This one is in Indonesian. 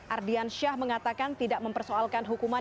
ardian syah mengatakan tidak mempersoalkan hukuman